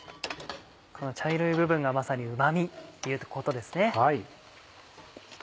この茶色い部分がまさにうま味ということですね。